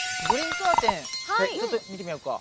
カーテンちょっと見てみようか。